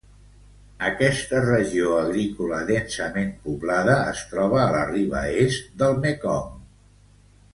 Aquesta regió agrícola densament poblada es troba a la riba est del Mekong.